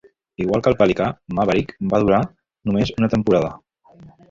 Igual que el Pelicà, Maverick va durar només una temporada.